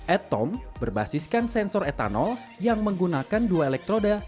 ethom berbasiskan sensor etanol yang menggunakan dua elektroda